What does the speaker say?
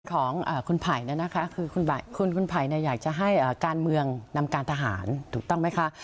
ของคุณภัยคุณภัยอยากจะให้การเมืองนำการทหารถูกต้องไหมคะ